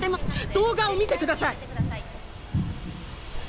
動画を見てください！